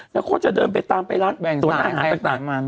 แล้วก็จะเดินไปตามไปร้านตรวงอาหารตัวต่างประมาณ